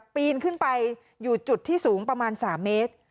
ปีนขึ้นไปอยู่จุดที่สูงประมาณ๓เมตร